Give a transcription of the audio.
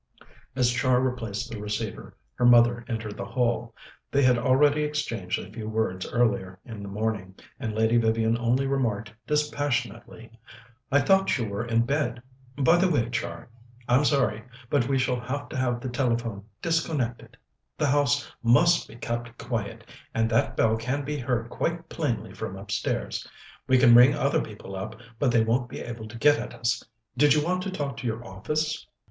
As Char replaced the receiver, her mother entered the hall. They had already exchanged a few words earlier in the morning, and Lady Vivian only remarked dispassionately: "I thought you were in bed. By the way, Char, I'm sorry, but we shall have to have the telephone disconnected. The house must be kept quiet, and that bell can be heard quite plainly from upstairs. We can ring other people up, but they won't be able to get at us. Did you want to talk to your office?"